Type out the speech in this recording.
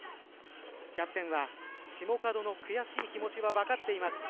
キャプテンはシモカドの悔しい気持ちは分かっています。